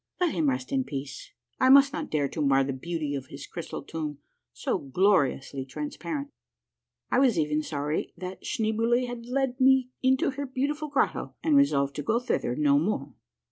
Let him rest in peace. I must not dare to mar the beauty of his crystal tomb, so glori ously transparent! I was even soriy that Schneeboule had led me into her beauti ful grotto, and resolved to go thither no more.